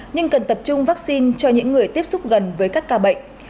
nhưng cần tập trung vaccine cho những người tiếp xúc gần với các ca bệnh